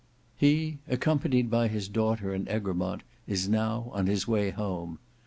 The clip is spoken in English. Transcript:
He, accompanied by his daughter and Egremont, is now on his way home.